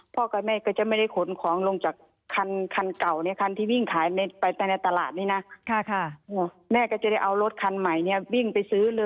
พ่อกับแม่ก็จะไม่ได้โขลของลงจากขันเก่าเนี่ยขันที่วิ่งขายในตลาดนี้นะ